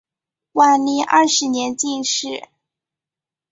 万历二十年进士。